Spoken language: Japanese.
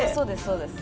そうです